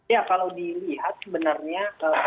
ya kalau dilihat sebenarnya